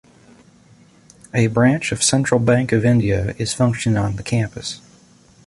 A branch of Central Bank of India is functioning on the campus.